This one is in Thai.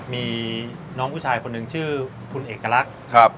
มีน้องผู้ชายคนหนึ่งชื่อคุณเอกลักษณ์